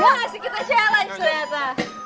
masih kita challenge ternyata